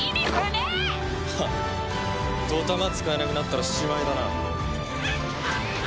ハッドタマ使えなくなったらしまいだな。